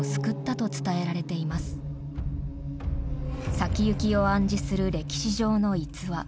先行きを暗示する歴史上の逸話。